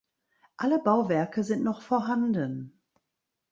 Alle Bauwerke sind noch vorhanden.